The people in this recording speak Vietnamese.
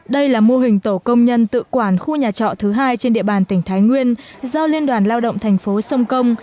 đây là mô hình tổ công nhân tự quản khu nhà trọ thứ hai trên địa bàn tỉnh thái nguyên do liên đoàn lao động thành phố sông công